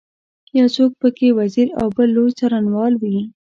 یو څوک په کې وزیر او بل لوی څارنوال وي.